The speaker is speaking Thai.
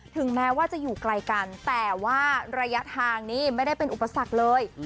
ถึงแม้ว่าจะอยู่ไกลกันแต่ว่าระยะทางนี้ไม่ได้เป็นอุปสรรคเลย